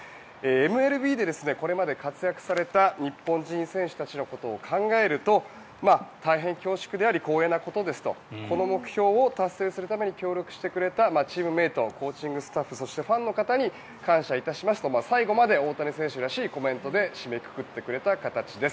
ＭＬＢでこれまで活躍された日本人選手たちのことを考えると大変恐縮であり光栄なことですとこの目標を達成するために協力してくれたチームメートコーチングスタッフそして、ファンの方に感謝いたしますと、最後まで大谷選手らしいコメントで締めくくってくれた形です。